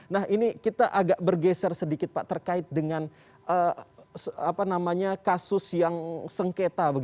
nah ini kita agak bergeser sedikit pak terkait dengan kasus yang sengketa